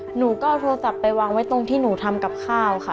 หนูก็เอาโทรศัพท์ไปวางไว้ตรงที่หนูทำกับข้าวค่ะ